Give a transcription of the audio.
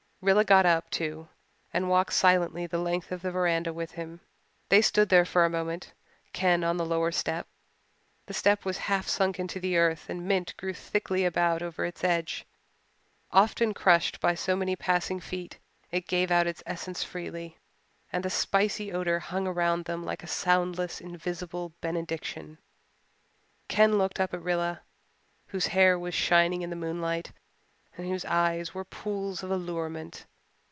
Rilla got up, too, and walked silently the length of the veranda with him. They stood there for a moment, Ken on the lower step. The step was half sunk into the earth and mint grew thickly about and over its edge. Often crushed by so many passing feet it gave out its essence freely, and the spicy odour hung round them like a soundless, invisible benediction. Ken looked up at Rilla, whose hair was shining in the moonlight and whose eyes were pools of allurement.